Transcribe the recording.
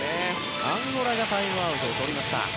アンゴラがタイムアウトをとりました。